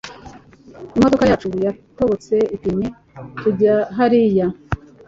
Imodoka yacu yatobotse ipine tujya hariya.